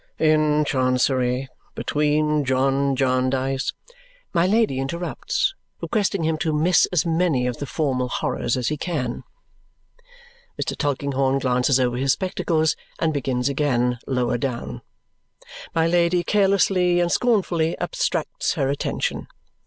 "'In Chancery. Between John Jarndyce '" My Lady interrupts, requesting him to miss as many of the formal horrors as he can. Mr. Tulkinghorn glances over his spectacles and begins again lower down. My Lady carelessly and scornfully abstracts her attention.